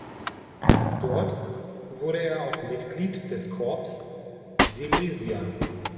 Dort wurde er auch Mitglied des Corps Silesia.